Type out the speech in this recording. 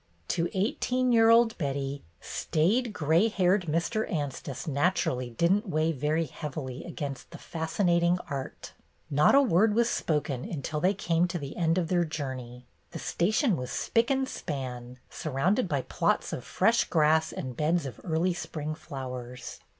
To eighteen year old Betty, staid gray haired Mr. Anstice naturally did n't weigh very heavily against the fascinating art. Not a word was spoken until they came to 96 BETTY BAIRD'S GOLDEN YEAR the end of their journey. The station was spick and span, surrounded by plots of fresh grass and beds of early spring flowers.